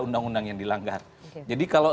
undang undang yang dilanggar jadi kalau